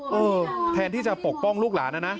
เออแทนที่จะปกป้องลูกหลานนะนะ